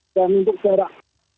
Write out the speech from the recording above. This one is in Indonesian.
dan untuk jarak